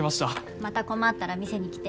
また困ったら見せに来て。